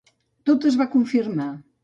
Tot es va confirmar.